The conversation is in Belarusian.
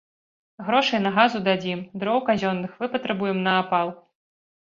Грошай на газу дадзім, дроў казённых выпатрабуем на апал.